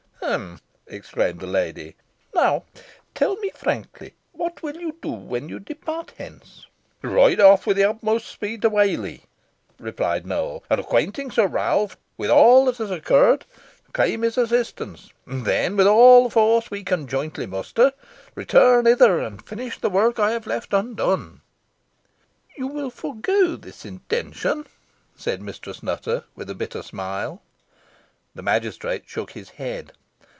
"Humph!" exclaimed the lady. "Now, tell me frankly, what you will do when you depart hence?" "Ride off with the utmost speed to Whalley," replied Nowell, "and, acquainting Sir Ralph with all that has occurred, claim his assistance; and then, with all the force we can jointly muster, return hither, and finish the work I have left undone." "You will forego this intention," said Mistress Nutter, with a bitter smile. The magistrate shook his head.